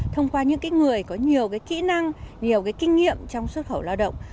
thông qua những người có nhiều kỹ năng nhiều kinh nghiệm trong xuất khẩu lao động